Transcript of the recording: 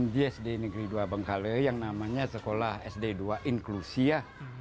di sd negeri dua bengkale yang namanya sekolah sd dua inklusia